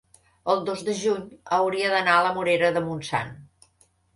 el dos de juny hauria d'anar a la Morera de Montsant.